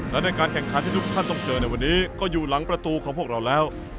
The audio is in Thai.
และในการแข่งขันที่ทุกท่านต้องเจอในวันนี้ก็อยู่หลังประตูของพวกเราแล้ว